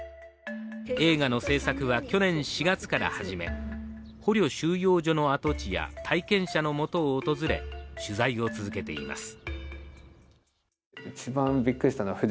映画の製作は去年４月から始め、捕虜収容所の跡地や体験者の元を訪れ取材を続けています。